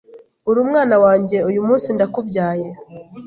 ‘Uri Umwana wanjye, uyu munsi ndakubyaye.